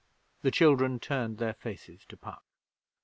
The children turned their faces to Puck.